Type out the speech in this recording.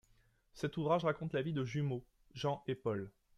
Cet ouvrage raconte la vie de jumeaux, Jean et Paul.